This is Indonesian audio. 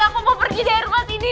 aku mau pergi dari rumah ini